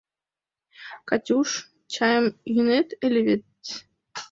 — Катюш, чайым йӱнет ыле вет...